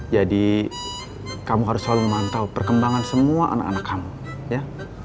jadi kamu harus selalu memantau perkembangan semua anak anak kamu ya